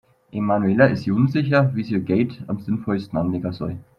Emanuela ist sich unsicher, wie sie ihr Geld am sinnvollsten anlegen soll.